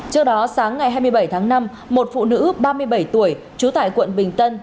trước đó sáng ngày hai mươi bảy tháng năm một phụ nữ ba mươi bảy tuổi trú tại quận bình tân